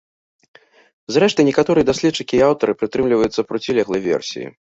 Зрэшты, некаторыя даследчыкі і аўтары прытрымліваюцца процілеглай версіі.